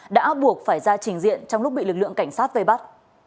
đã buộc phải ra trình diện trong lúc bị lực lượng cảnh sát vây bắt